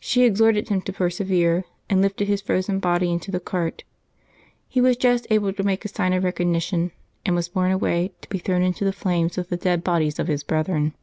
She exhorted him to persevere, and lifted his frozen body into the cart. He was just able to make a sign of recognition, and was borne away, to be thrown into the flames with the dead bodies of his brethren.